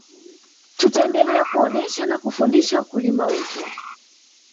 tutaendelea kuonesha na kufundisha wakulima wetu